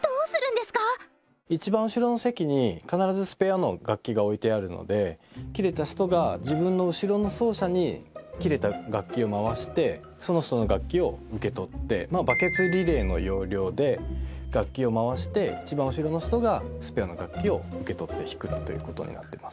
いちばん後ろの席に必ずスペアの楽器が置いてあるので切れた人が自分の後ろの奏者に切れた楽器を回してその人の楽器を受け取ってバケツリレーの要領で楽器を回していちばん後ろの人がスペアの楽器を受け取って弾くということになってます。